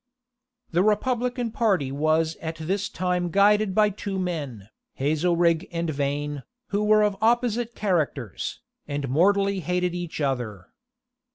The republican party was at this time guided by two men, Hazelrig and Vane, who were of opposite characters, and mortally hated each other.